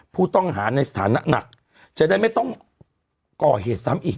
ผู้ต้องหาในสถานะหนักจะได้ไม่ต้องก่อเหตุซ้ำอีก